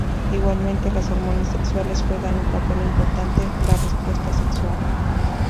Igualmente las hormonas sexuales juegan un papel importante la respuesta sexual.